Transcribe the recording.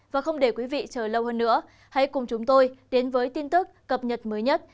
và không để quý vị chờ lâu hơn nữa hãy cùng chúng tôi đến với tin tức cập nhật mới nhất